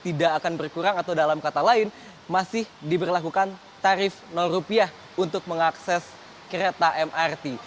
tidak akan berkurang atau dalam kata lain masih diberlakukan tarif rupiah untuk mengakses kereta mrt